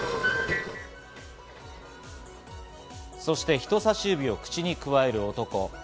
そして、人さし指を口にくわえる男。